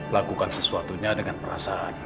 lakukan sesuatunya dengan perasaan